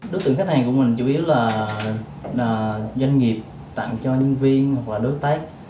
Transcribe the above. đối tượng khách hàng của mình chủ yếu là doanh nghiệp tặng cho nhân viên hoặc là đối tác